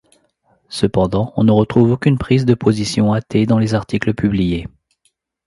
Cependant on ne retrouve aucune prise de position athée dans les articles publiés.